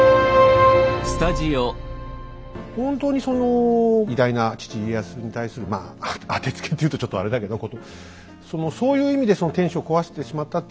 ほんとにその偉大な父・家康に対するまあ当てつけって言うとちょっとあれだけどそういう意味で天守を壊してしまったっていう要素はもう。